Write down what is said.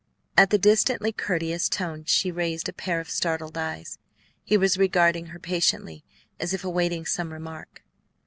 At the distantly courteous tone she raised a pair of startled eyes. He was regarding her patiently, as if awaiting some remark.